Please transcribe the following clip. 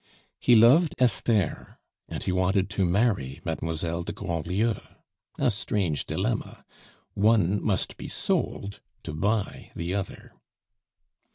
He loved Esther, and he wanted to marry Mademoiselle de Grandlieu! A strange dilemma! One must be sold to buy the other.